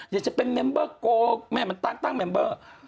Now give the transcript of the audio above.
อยากจะเป็นเมมเบอร์โกแม่มันตั้งแมมเบอร์